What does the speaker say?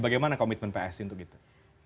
bagaimana komitmen psi untuk itu